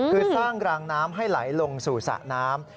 คือสร้างรางน้ำให้ไหลลงสู่สระน้ำ